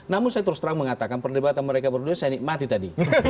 namun saya terus terang mengatakan perdebatan mereka berdua saya nikmati tadi